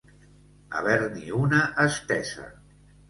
Haver-n'hi una estesa.